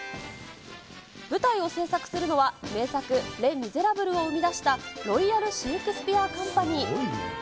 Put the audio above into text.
舞台を制作するのは、名作、レ・ミゼラブルを生み出したロイヤル・シェイクスピア・カンパニー。